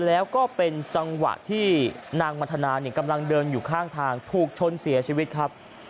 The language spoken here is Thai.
แล้วก็เป็นจังหวะที่นางมันธนากำลังเดินอยู่ข้างทางถูกชนเสียชีวิตครับ